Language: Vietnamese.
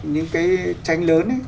những cái tranh lớn ấy